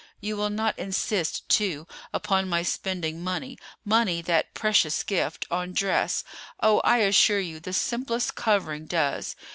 You will not insist, too, upon my spending money—money, that precious gift—on dress. Oh, I assure you the simplest covering does.